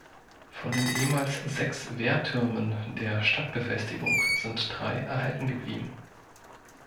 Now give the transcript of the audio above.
Von den ehemals sechs Wehrtürmen der Stadtbefestigung sind drei erhalten geblieben.